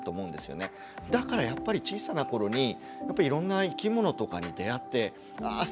だからやっぱり小さなころにいろんな生き物とかに出会ってああ